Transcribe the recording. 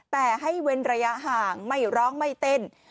แต่ให้เว้นระยะห่างไม่ร้องไม่เต้น